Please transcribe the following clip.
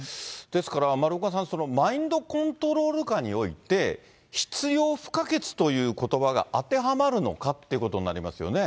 ですから、丸岡さん、マインドコントロール下において、必要不可欠ということばが当てはまるのかということになりますよね。